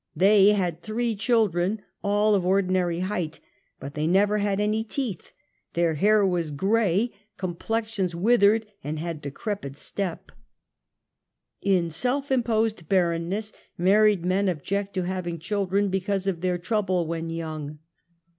They had three children, all of ordinary I height, but they never had any teeth ; their hair was gray, complexions withered, and had decre^itj step^. In self imposed barrenness, married men object to having children because of their trouble when young.